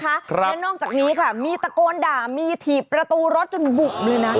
ครับและนอกจากนี้ค่ะมีตะโกนด่ามีถีบประตูรถจนบุบเลยนะ